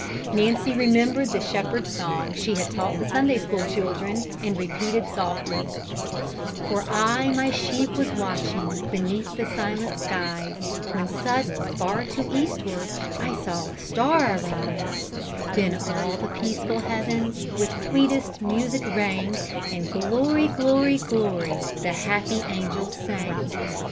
Nancy remembered the shepherd's song she had taught the Sunday school children, and repeated softly: For I my sheep was watching Beneath the silent skies, When sudden, far to eastward, I saw a star arise; Then all the peaceful heavens With sweetest music rang, And glory, glory, glory! The happy angels sang.